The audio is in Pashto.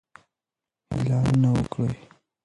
اعلانونه وکړئ.